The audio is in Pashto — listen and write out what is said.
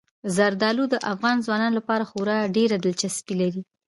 زردالو د افغان ځوانانو لپاره خورا ډېره دلچسپي لري.